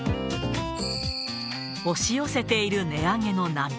押し寄せている値上げの波。